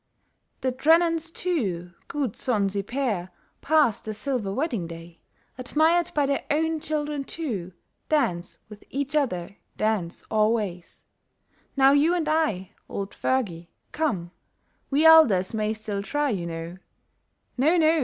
The Drennens too, good sonsy pair, Passed their silver wedding day, 139 END OF HARDEST. Admired by their own children too, Dance with each other, dance alway. Now you and I, old Fergie, come, We elders may still try, you know, No, no